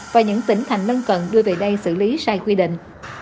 và những tỉnh thành lân cận đưa về đây xử lý sai quy định